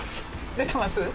出てます？